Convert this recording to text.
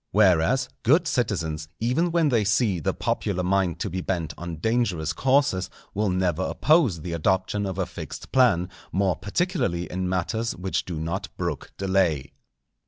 Whereas, good citizens, even when they see the popular mind to be bent on dangerous courses, will never oppose the adoption of a fixed plan, more particularly in matters which do not brook delay.